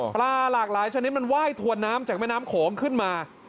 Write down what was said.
ปลาหลากหลายชนิดมันไหว้ถวนน้ำจากแม่น้ำโขงขึ้นมา